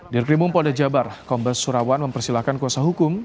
di rekrimu polda jabar kombers surawan mempersilahkan kuasa hukum